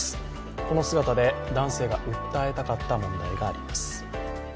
この姿で男性が訴えたかった問題があります。